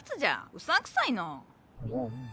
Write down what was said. うさんくさいのう。